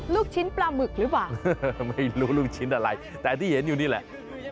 ลูกชิ้นปลาหมึกหรือเปล่าไม่รู้ลูกชิ้นอะไรแต่ที่เห็นอยู่นี่แหละ